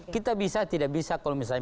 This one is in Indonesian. kita bisa tidak bisa kalau misalnya